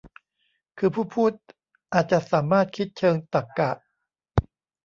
คือผู้พูด อาจจะสามารถคิดเชิงตรรกะ